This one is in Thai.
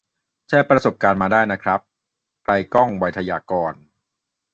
แชร์ประสบการณ์มาได้นะครับ ไกลก้อง ไวทยการ